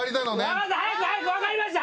分かった早く早く分かりました。